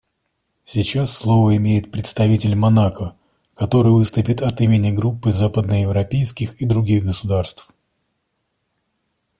Сейчас слово имеет представитель Монако, который выступит от имени Группы западноевропейских и других государств.